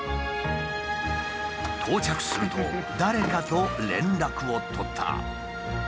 到着すると誰かと連絡を取った。